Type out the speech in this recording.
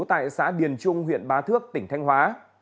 tại xã điền trung huyện bá thước tỉnh thanh hóa